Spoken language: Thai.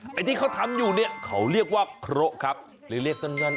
ในที่เขาทำนี่เขาเรียกว่าโคทำไม